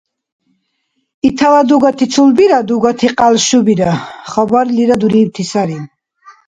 Итала дугати цулбира дугати кьялшубира хабарлира дурибти сари